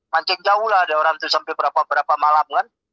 mancing jauh lah ada orang itu sampai berapa berapa malam kan